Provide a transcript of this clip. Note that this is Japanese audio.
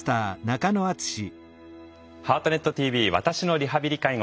「ハートネットＴＶ私のリハビリ・介護」。